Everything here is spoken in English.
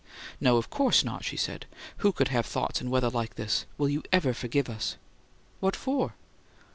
"No, of course not," she said. "Who could have thoughts in weather like this? Will you EVER forgive us?" "What for?"